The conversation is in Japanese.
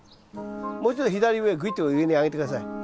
もうちょっと左上へぐいっと上に上げて下さい。